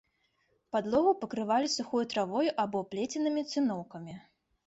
Падлогу пакрывалі сухой травой або плеценымі цыноўкамі.